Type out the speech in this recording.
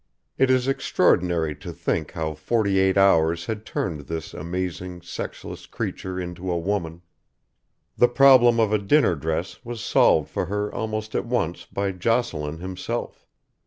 III It is extraordinary to think how forty eight hours had turned this amazing, sexless creature into a woman. The problem of a dinner dress was solved for her almost at once by Jocelyn himself.